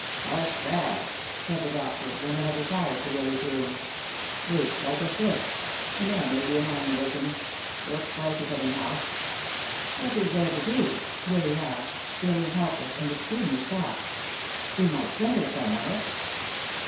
"Heart's bad," said the doctor, when they had retired to Willy's room. "Leaks like a sieve. And there may be an aneurism. Looks like it, anyhow." "What is there to do?" Willy asked, feeling helpless and extremely shocked. "We might send her somewhere."